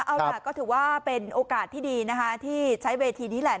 เอาล่ะก็ถือว่าเป็นโอกาสที่ดีนะคะที่ใช้เวทีนี้แหละ